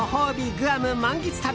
グアム満喫旅。